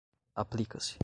aplica-se